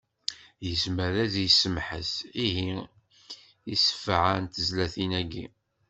Yezmer ad yessemḥes, ihi, i sebɛa n tezlatin-agi.